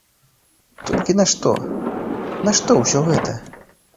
Толькі нашто, нашто ўсё гэта?